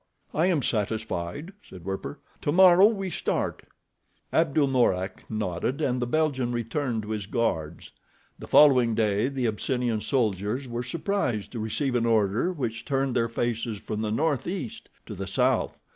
"I am satisfied," said Werper. "Tomorrow we start?" Abdul Mourak nodded, and the Belgian returned to his guards. The following day the Abyssinian soldiers were surprised to receive an order which turned their faces from the northeast to the south.